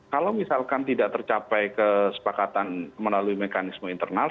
kalau misalkan tidak tercapai kesepakatan melalui mekanisme internal